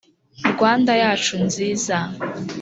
rwanda yacu nziza ,